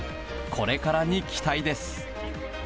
これからに期待です。